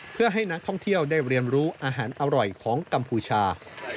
เพื่อให้นักท่องเที่ยวได้เรียนรู้อาหารอร่อยของกัมพูชา